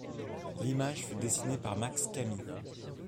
L'image fut dessinée par Max Camis.